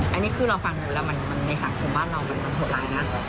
อันนี้คือเราฟังหนูแล้วมันในสังคมบ้านเรามันเกิดอะไรนะ